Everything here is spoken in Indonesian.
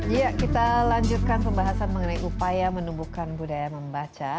ya kita lanjutkan pembahasan mengenai upaya menumbuhkan budaya membaca